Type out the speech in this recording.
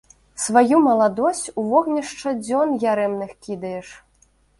Сваю маладосць у вогнішча дзён ярэмных кідаеш.